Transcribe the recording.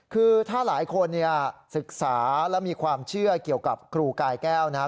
คือถ้าหลายคนเนี่ยศึกษาและมีความเชื่อเกี่ยวกับครูกายแก้วนะครับ